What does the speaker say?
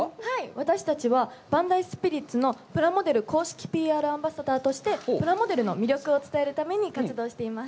私たちはＢＡＮＤＡＩＳＰＩＲＩＴＳのプラモデル公式ＰＲアンバサダーとしてプラモデルの魅力を伝えるために活動しています。